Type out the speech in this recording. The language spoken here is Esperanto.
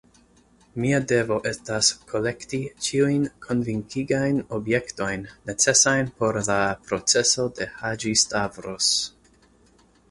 Mia devo estas, kolekti ĉiujn konvinkigajn objektojn, necesajn por la proceso de Haĝi-Stavros.